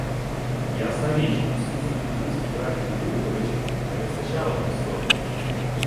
Ясна річ, усій цій князівській братії Рюриковичів не вистачало «престолів»